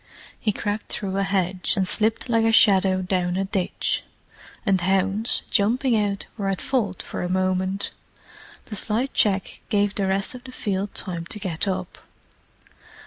He crept through a hedge, and slipped like a shadow down a ditch; and hounds, jumping out, were at fault for a moment. The slight check gave the rest of the field time to get up.